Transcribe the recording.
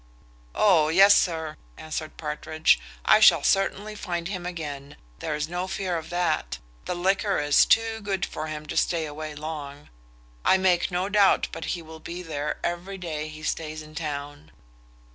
"O yes, sir," answered Partridge, "I shall certainly find him again; there is no fear of that. The liquor is too good for him to stay away long. I make no doubt but he will be there every day he stays in town."